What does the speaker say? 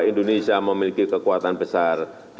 indonesia memiliki kekuatan besar